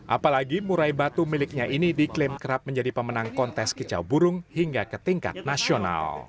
apalagi murai batu miliknya ini diklaim kerap menjadi pemenang kontes kicau burung hingga ke tingkat nasional